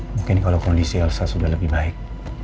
mungkin kalau kondisi elsa sudah lebih baik